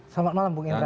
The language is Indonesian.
selamat malam bung irta